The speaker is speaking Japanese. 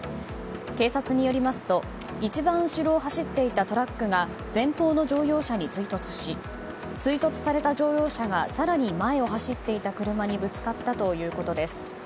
警察によりますと一番後ろを走っていたトラックが前方の乗用車に追突し追突された乗用車が更に前を走っていた車にぶつかったということです。